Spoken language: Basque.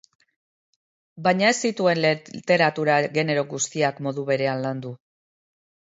Baina ez zituen literatura genero guztiak modu berean landu.